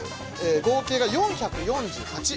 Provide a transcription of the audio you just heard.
合計が４４８。